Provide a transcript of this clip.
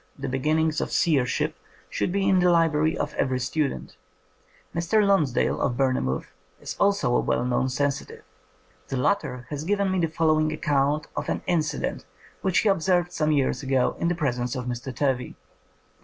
The Beginnings of Seersliip, should be in the library of every student. Mr. Lonsdale, of Bournemouth, is also a well known sensitive. The latter has given me the following account of an inci dent which he observed some years ago in the presence of Mr. Turvey.